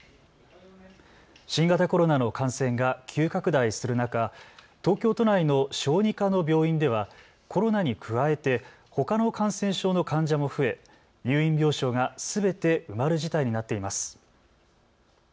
新型コロナの感染が急拡大する中、東京都内の小児科の病院ではコロナに加えてほかの感染症の患者も増え、入院病床がすべて埋まる事態になっています。